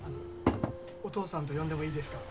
「お義父さん」と呼んでもいいですか？